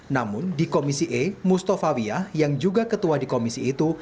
namun di komisi e mustafa wiyah yang juga ketua di komisi itu